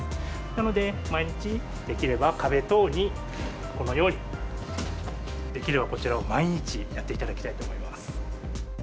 なので、毎日できれば、壁等に、このように、できればこちらを毎日やっていただきたいと思います。